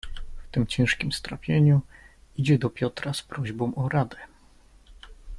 "W tem ciężkiem strapieniu idzie do Piotra z prośbą o radę."